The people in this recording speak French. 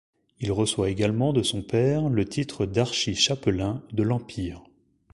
Il reçoit également de son père le titre d'archi-chapelain de l'Empire.